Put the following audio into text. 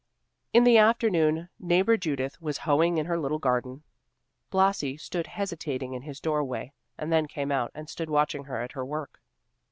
In the afternoon, neighbor Judith was hoeing in her little garden. Blasi stood hesitating in his door way, and then came out and stood watching her at her work.